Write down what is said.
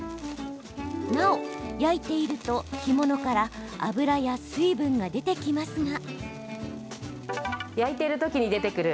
なお、焼いていると干物から脂や水分が出てきますが。